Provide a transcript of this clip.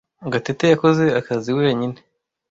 Gatete yakoze akazi wenyine.